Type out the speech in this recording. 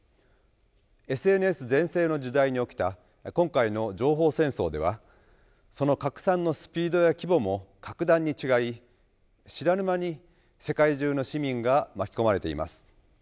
ＳＮＳ全盛の時代に起きた今回の情報戦争ではその拡散のスピードや規模も格段に違い知らぬ間に世界中の市民が巻き込まれています。